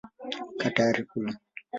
Kaa tayari kula.